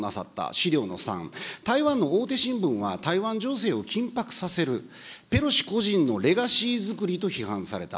資料の３、台湾の大手新聞は、台湾情勢を緊迫させる、ペロシ個人のレガシーづくりと批判された。